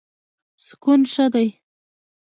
سکون ښه دی.